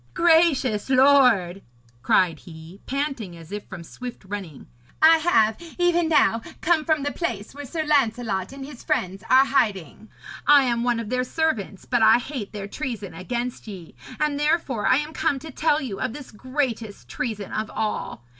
'Gracious lord,' cried he, panting as if from swift running, 'I have even now come from the place where Sir Lancelot and his friends are hiding. I am one of their servants, but I hate their treason against ye, and therefore I am come to tell you of this greatest treason of all.